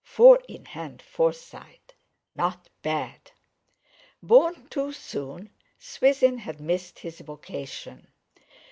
Four in hand Forsyte! Not bad! Born too soon, Swithin had missed his vocation.